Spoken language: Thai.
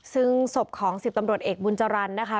ซึ่งศพของ๑๐ตำรวจเอกบุญจรรย์นะคะ